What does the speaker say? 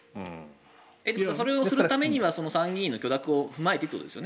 それをするためには参議院の許諾を踏まえてということですよね？